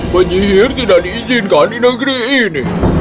penyihir tidak diizinkan di negeri ini